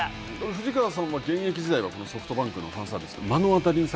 藤川さんは、現役時代はソフトバンクのファンサービス